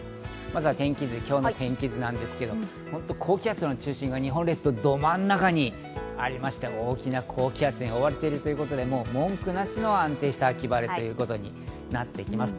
まずは天気図、今日の天気図ですけど高気圧の中心が日本列島のど真ん中にありまして、大きな高気圧に覆われているということで文句なしの安定した秋晴れということになってきます。